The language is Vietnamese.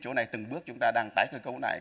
chỗ này từng bước chúng ta đang tái cơ cấu lại